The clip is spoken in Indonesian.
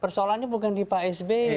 persoalan ini bukan di pak sb ya